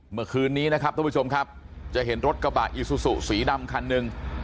เมื่อคืนนี้นะครับท่านผู้ชมครับจะเห็นรถกระบะอีซูซูสีดำคันหนึ่ง